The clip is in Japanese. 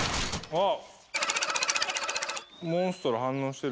あっ！